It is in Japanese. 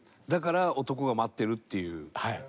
だから、男が待ってるっていう。